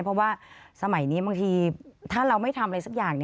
เพราะว่าสมัยนี้บางทีถ้าเราไม่ทำอะไรสักอย่าง